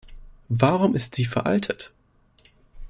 Warum ist sie veraltet?